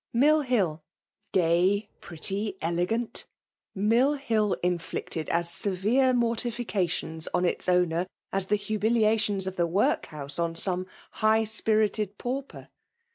Mill Hill, gay, pretty, ele gant— Mill Hill inflicted as severe morttfioa* tions on its owner as the humiliations of the workhouse on some high spirited pauper